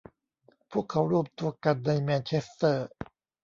พวกเขารวมตัวกันในแมนเชสเตอร์